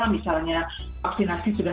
misalnya vaksinasi sudah meningkat